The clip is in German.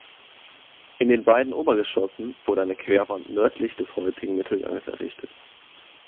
In den beiden Obergeschossen wurde eine Querwand nördlich des heutigen Mittelganges errichtet.